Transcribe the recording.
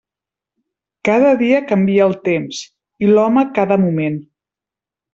Cada dia canvia el temps, i l'home cada moment.